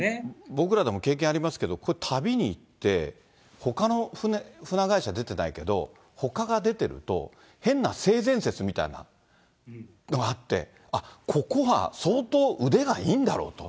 僕らでも経験ありますけど、こういう旅に行って、ほかの船会社出てないけど、ほかが出てると、変な性善説みたいなのがあって、あっ、ここは相当、腕がいいんだろうと。